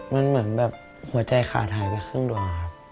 มันเหมือนแบบหัวใจขาดหายไปครึ่งดวงครับ